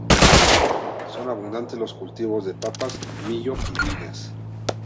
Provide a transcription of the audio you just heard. Son abundantes los cultivos de papas, millo y viñas.